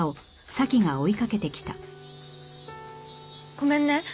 ごめんね。